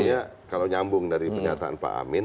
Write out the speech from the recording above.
artinya kalau nyambung dari pernyataan pak amin